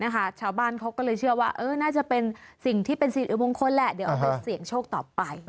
ชาวบ้านเขาก็เลยเชื่อว่าน่าจะเป็นสิ่งที่เป็นสิริมงคลแหละเดี๋ยวเอาไปเสี่ยงโชคต่อไป